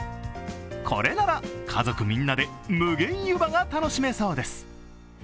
これなら家族みんなで無限湯葉が楽しめそうです。